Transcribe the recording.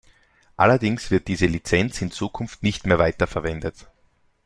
Allerdings wird diese Lizenz in Zukunft nicht mehr weiterverwendet.